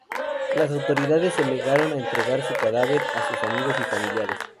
Las autoridades se negaron a entregar su cadáver a sus amigos y familiares.